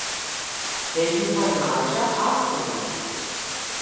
Eju pa naža asmeni.